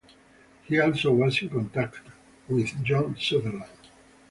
He also was in contact with John Sutherland.